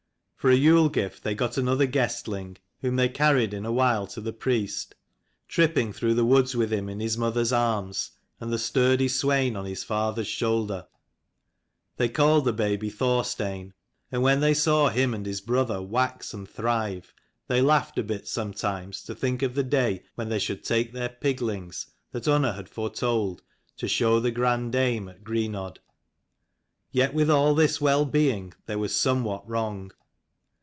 For a Yule gift they got another guestling, whom they carried in a while to the priest, tripping through the woods with him in his mother's arms, and the sturdy Swein on his father's shoulder. They called the baby Thor stein : and when they saw him and his brother wax and thrive, they laughed a bit sometimes to think of the day when they should take their piglings that Unna had foretold, to show the grandame at Greenodd. Yet with all this well being there was some what wrong.